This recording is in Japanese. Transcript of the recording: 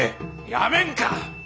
やめんか！